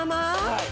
はい。